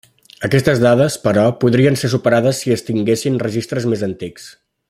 Aquestes dades, però, podrien ser superades si es tinguessin registres més antics.